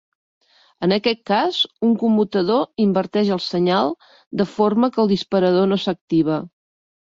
En aquest cas, un commutador inverteix el senyal de forma que el disparador no s'activa.